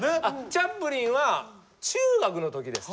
チャップリンは中学のときです。